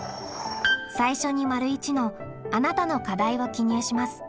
最初に①の「あなたの課題」を記入します。